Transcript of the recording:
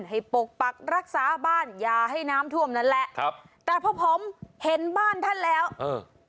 ปกปักรักษาบ้านอย่าให้น้ำท่วมนั่นแหละครับแต่พอผมเห็นบ้านท่านแล้วเออ